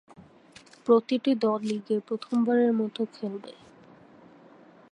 প্রতিটি দল লীগে প্রথমবারের মতো খেলবে।